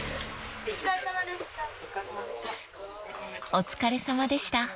［お疲れさまでした］